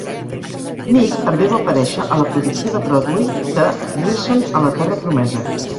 Meek també va aparèixer a la producció de Broadway de "Wilson a la Terra Promesa".